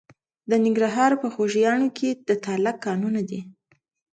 د ننګرهار په خوږیاڼیو کې د تالک کانونه دي.